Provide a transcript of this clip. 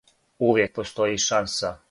"Увијек постоји шанса."